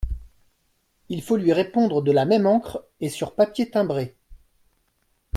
Il faut lui répondre de la même encre et sur papier timbré…